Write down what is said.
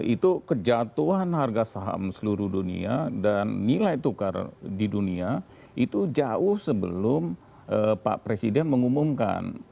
itu kejatuhan harga saham seluruh dunia dan nilai tukar di dunia itu jauh sebelum pak presiden mengumumkan